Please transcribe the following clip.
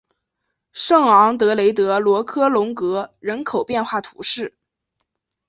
圣昂德雷德罗科龙格人口变化图示